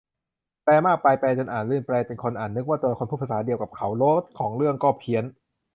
แปลมากไป แปลจนอ่านลื่น แปลจนคนอ่านนึกว่าตัวละครพูดภาษาเดียวกับเขา รสของเรื่องก็เพี้ยน